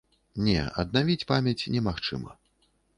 Не, аднавіць памяць немагчыма.